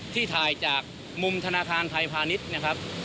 ที่ถ่ายจากมุมธนาคารไทยพาณิชย์นะครับ